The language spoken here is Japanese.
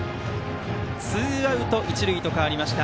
ツーアウト一塁と変わりました。